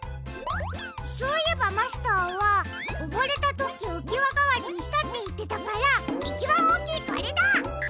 そういえばマスターはおぼれたときうきわがわりにしたっていってたからいちばんおおきいこれだ！